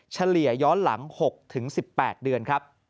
เฉลี่ยย้อนหลัง๖๑๘เดือนครับ